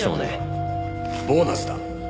ボーナスだ。